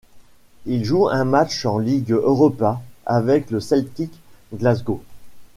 Il joue un match en Ligue Europa avec le Celtic Glasgow.